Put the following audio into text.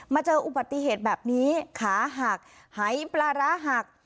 เจออุบัติเหตุแบบนี้ขาหักหายปลาร้าหัก